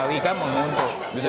lalu itu mengalirkan menguntur